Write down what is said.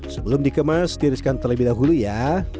sebelum dikemas tiriskan terlebih dahulu ya